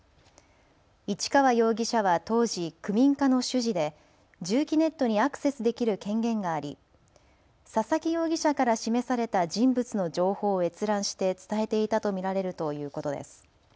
市川容疑者は当時、区民課の主事で住基ネットにアクセスできる権限があり佐々木容疑者から示された人物の情報を閲覧して伝えていたと見られるということです。